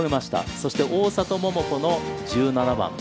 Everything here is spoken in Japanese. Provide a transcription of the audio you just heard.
そして、大里桃子の１７番。